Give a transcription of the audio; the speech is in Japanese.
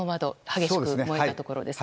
激しく燃えたところです。